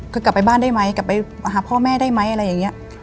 คือกลับไปบ้านได้ไหมกลับไปหาพ่อแม่ได้ไหมอะไรอย่างนี้